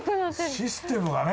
システムがね。